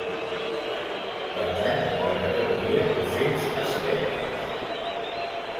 Pertany a la categoria d'ocells estèpics.